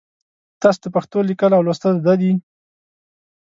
تاسو د پښتو لیکل او لوستل زده دي؟